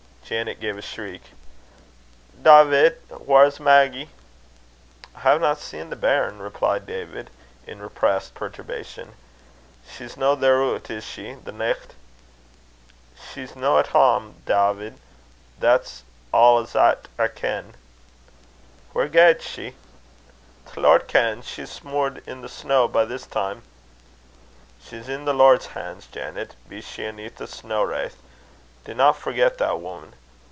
Janet gave a shriek. "Dawvid, whaur's Maggie?" "I haena seen the bairn," replied David, in repressed perturbation. "She's no theroot, is she, the nicht?" "She's no at hame, Dawvid, that's a' 'at I ken." "Whaur gaed she?" "The Lord kens. She's smoored i' the snaw by this time." "She's i' the Lord's han's, Janet, be she aneath a snaw vraith. Dinna forget that, wuman.